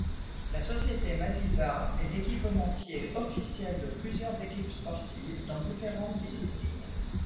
La société Masita est l'équipementier officiel de plusieurs équipes sportives, dans différentes disciplines.